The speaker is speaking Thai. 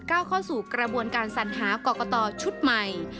เข้าสู่กระบวนการสัญหากรกตชุดใหม่